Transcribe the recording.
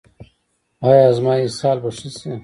ایا زما اسهال به ښه شي؟